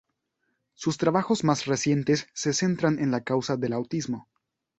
Sus trabajos más recientes se centran en la causa del autismo.